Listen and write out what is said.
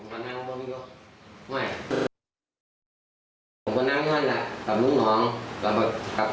มันไหลมาเป็นแหงนะเขามันมีวาล้องตีอยู่ข้านนัก